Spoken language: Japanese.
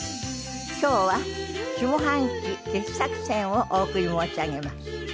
今日は下半期傑作選をお送り申し上げます。